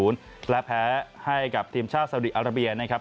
และแพ้ให้กับทีมชาติสาวดีอาราเบียนะครับ